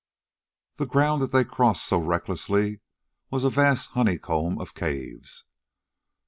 The ground that they crossed so recklessly was a vast honeycomb of caves.